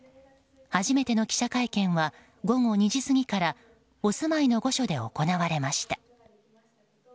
初めての記者会見は午後２時過ぎからお住まいの御所で行われました。